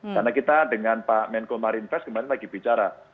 karena kita dengan pak menko marinvest kemarin lagi bicara